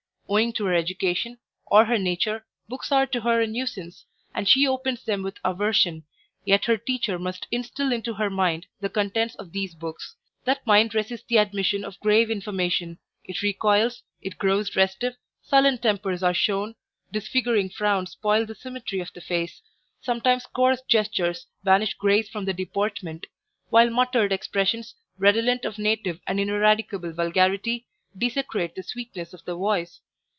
Owing to her education or her nature books are to her a nuisance, and she opens them with aversion, yet her teacher must instil into her mind the contents of these books; that mind resists the admission of grave information, it recoils, it grows restive, sullen tempers are shown, disfiguring frowns spoil the symmetry of the face, sometimes coarse gestures banish grace from the deportment, while muttered expressions, redolent of native and ineradicable vulgarity, desecrate the sweetness of the voice.